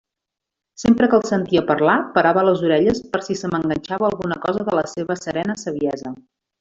Sempre que el sentia parlar parava les orelles per si se m'enganxava alguna cosa de la seva serena saviesa.